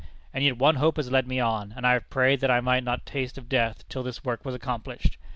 And yet one hope has led me on, and I have prayed that I might not taste of death till this work was accomplished.